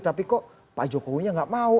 tapi kok pak jokowinya gak mau